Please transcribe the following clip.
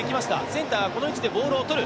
センター、この位置でボールを捕る。